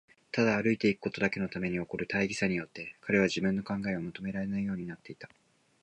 ただ歩いていくことだけのために起こる大儀さによって、彼は自分の考えをまとめられないようになっていた。